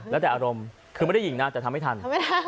แล้วแต่อารมณ์คือไม่ได้ยิงนะแต่ทำไม่ทัน